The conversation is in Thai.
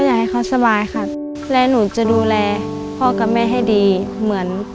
อยากให้เขาสบายค่ะและหนูจะดูแลพ่อกับแม่ให้ดีเหมือน